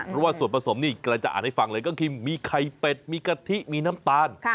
เพราะว่าส่วนผสมนี่กำลังจะอ่านให้ฟังเลยก็คือมีไข่เป็ดมีกะทิมีน้ำตาล